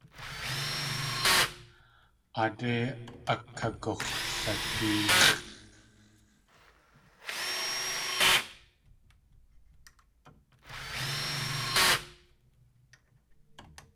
Aadé akagux̲latéex̲ʼ.